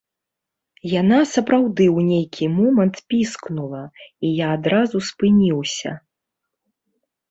Яна сапраўды ў нейкі момант піскнула, і я адразу спыніўся.